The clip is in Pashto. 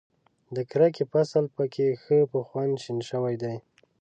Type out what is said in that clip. د کرکې فصل په کې ښه په خوند شین شوی دی.